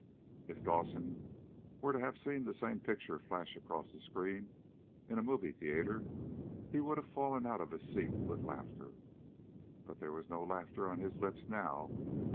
If Dawson were to have seen that same picture flash across the screen in a movie theatre he would have fallen out of his seat with laughter. But there was no laughter on his lips now.